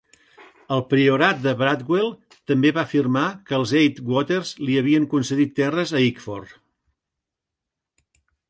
El priorat de Bradwell també va afirmar que els atte Watters li havien concedit terres a Ickford.